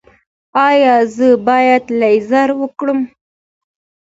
ایا زه باید لیزر وکړم؟